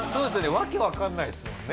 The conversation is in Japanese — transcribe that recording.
訳わかんないですもんね